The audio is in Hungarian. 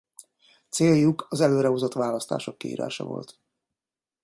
Céljuk az előre hozott választások kiírása volt.